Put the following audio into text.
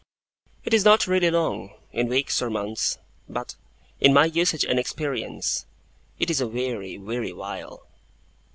It is not really long, in weeks or months; but, in my usage and experience, it is a weary, weary while.